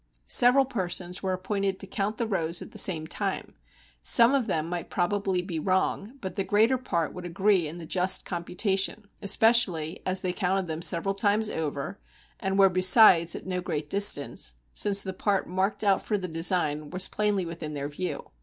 Several persons were ap pointed to count the rows at the same time; some of them might probably be wrong, but the greater part would agree in the just computation; especially, as they counted them several times over, and were besides at no great distance, since the part marked out for the design was plainly within their view.